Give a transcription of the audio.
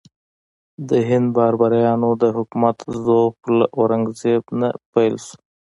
د هند بابریانو د حکومت ضعف له اورنګ زیب نه پیل شو.